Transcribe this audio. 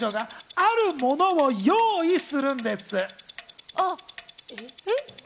あるものを用意するんです。